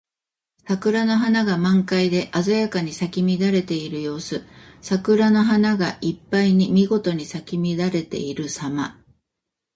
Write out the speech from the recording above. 桜の花が満開で鮮やかに咲き乱れている様子。桜の花がいっぱいにみごとに咲き乱れているさま。